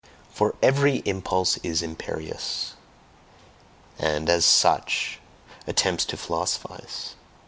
For every impulse is imperious, and as SUCH, attempts to philosophize.